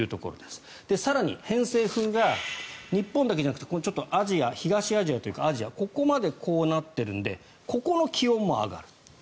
更に偏西風が日本だけじゃなくて東アジアというかアジアここまで、こうなってるのでここの気温も上がる。